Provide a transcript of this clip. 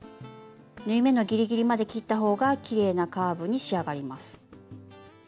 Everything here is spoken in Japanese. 縫い目のギリギリまで切った方がきれいなカーブに仕上がります。